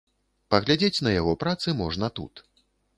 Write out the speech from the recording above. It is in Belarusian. Паглядзець на яго працы можна тут.